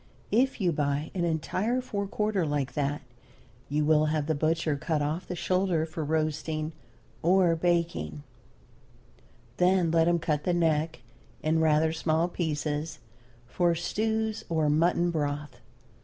If you buy an entire fore quarter like that you will have the butcher cut off the shoulder for roasting or baking, then let him cut the neck in rather small pieces for stews or mutton broth.